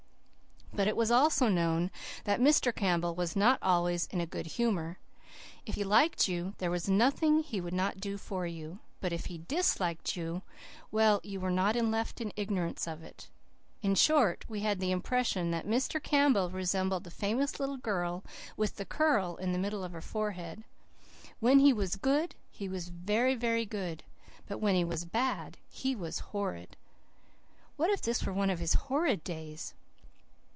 But it was also known that Mr. Campbell was not always in a good humour. If he liked you there was nothing he would not do for you; if he disliked you well, you were not left in ignorance of it. In short, we had the impression that Mr. Campbell resembled the famous little girl with the curl in the middle of her forehead. "When he was good, he was very, very good, and when he was bad he was horrid." What if this were one of his horrid days?